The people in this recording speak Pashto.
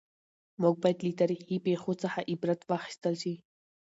موږ باید له تاریخي پېښو څخه عبرت واخیستل شي.